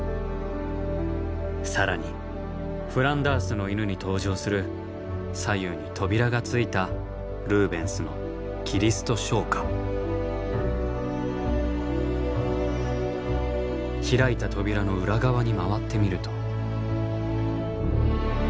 更に「フランダースの犬」に登場する左右に扉がついたルーベンスの開いた扉の裏側に回ってみると。